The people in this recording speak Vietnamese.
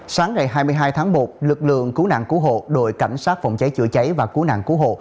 sáng ngày hai mươi hai tháng một lực lượng cứu nạn cứu hộ đội cảnh sát phòng cháy chữa cháy và cứu nạn cứu hộ